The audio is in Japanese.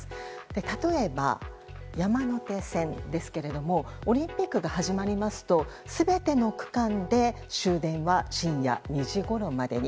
例えば、山手線ですけれどもオリンピックが始まりますと全ての区間で終電は深夜２時ごろまでに。